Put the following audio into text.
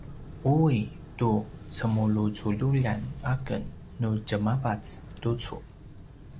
ui tu cemulucululjan aken nu djemavac tucu